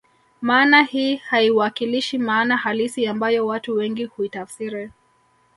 Maana hii haiwakilishi maana halisi ambayo watu wengi huitafsiri